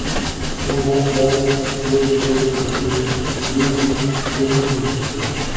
Thomas Love Peacock nació en Weymouth, Dorset, Inglaterra.